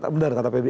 benar kata febri